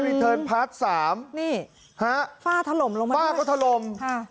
เทิร์นพาร์ทสามนี่ฮะฝ้าถล่มลงมาฝ้าก็ถล่มค่ะ